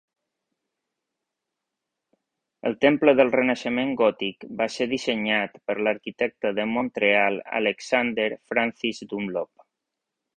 El Temple del Renaixement Gòtic va ser dissenyat per l'arquitecte de Montreal Alexander Francis Dunlop.